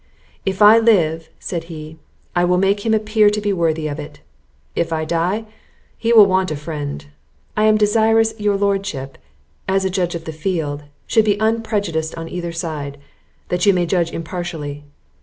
"If I live," said he, "I will make him appear to be worthy of it; if I die, he will want a friend. I am desirous your lordship, as a judge of the field, should be unprejudiced on either side, that you may judge impartially.